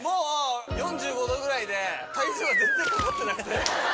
４５度ぐらいで体重が全然かかってなくて。